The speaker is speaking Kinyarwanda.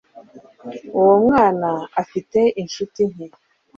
uwo mwana afite inshuti nke